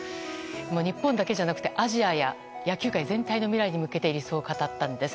もう日本だけじゃなくてアジアや野球界全体の未来に向けて理想を語ったんです。